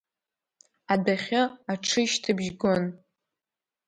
Адәахьы аҽышьҭыбжь гон.